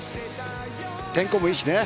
天候もいいしね。